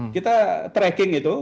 kita tracking itu